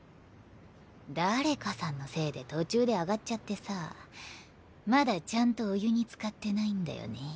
誰かさんのせいで途中で上がっちゃってさまだちゃんとお湯に漬かってないんだよねぇ。